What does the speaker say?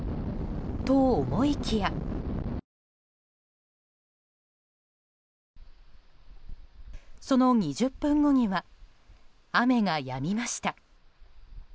と思いきや、その２０分後には雨がやみました。